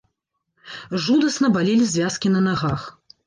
Жудасна балелі звязкі на нагах.